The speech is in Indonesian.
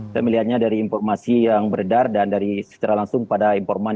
saya melihatnya dari informasi yang beredar dan dari secara langsung pada informasi